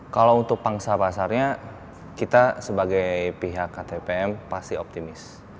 kalau untuk pangsa pasarnya kita sebagai pihak ktpm pasti optimis